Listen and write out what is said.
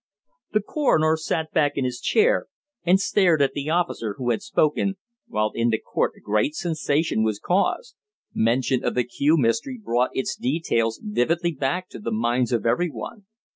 The coroner sat back in his chair and stared at the officer who had spoken, while in the court a great sensation was caused. Mention of the Kew Mystery brought its details vividly back to the minds of everyone.